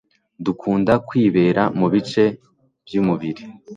dukunda kwibera mu bice by umubiri